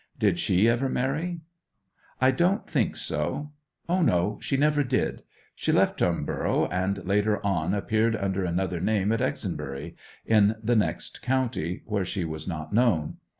Did she ever marry?' 'I don't think so. O no—she never did. She left Toneborough, and later on appeared under another name at Exonbury, in the next county, where she was not known.